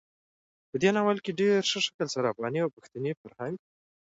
په دې ناول کې په ډېر ښه شکل سره افغاني او پښتني فرهنګ,